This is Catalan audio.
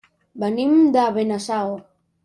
Venim de Benasau.